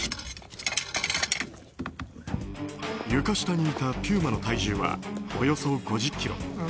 床下にいたピューマの体重はおよそ５０ｋｇ。